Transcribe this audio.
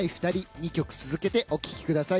２曲続けてお聴きください。